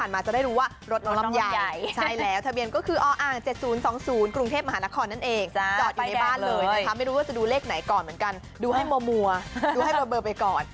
ไม่รู้ว่าจะดูเลขไหนก่อนเหมือนกันดูให้มัวดูให้เบอร์ไปก่อน